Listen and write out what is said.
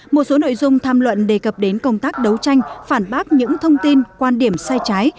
một số nội dung tham luận đề cập đến công tác đấu tranh phản bác những thông tin quan điểm sai trái